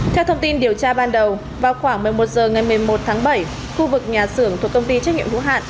theo thông tin điều tra ban đầu vào khoảng một mươi một h ngày một mươi một tháng bảy khu vực nhà xưởng thuộc công ty trách nhiệm hữu hạn